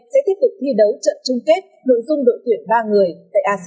sẽ tiếp tục thi đấu trận chung kết nội dung đội tuyển ba người tại asean một mươi chín